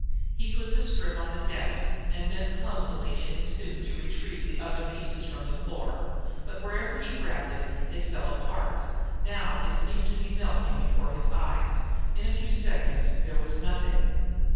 He put the strip on the desk, and bent clumsily in his suit to retrieve the other pieces from the floor. But wherever he grabbed it, it fell apart. Now it seemed to be melting before his eyes. In a few seconds there was nothing.